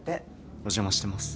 お邪魔してます。